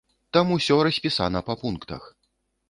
Там усё распісана па пунктах.